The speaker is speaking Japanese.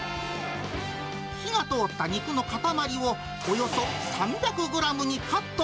火が通った肉の塊を、およそ３００グラムにカット。